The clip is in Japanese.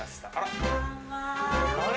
あれ？